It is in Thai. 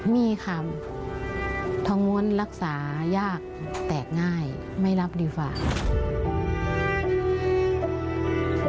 มีค่ะทองม้วนรักษายากแตกง่ายไม่รับดีกว่า